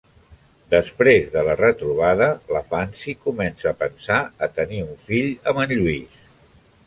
Després de la retrobada, la Fancy comença a pensar a tenir un fill amb en Lluís.